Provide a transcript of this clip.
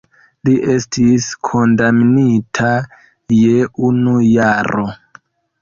Li estis kondamnita je unu jaro.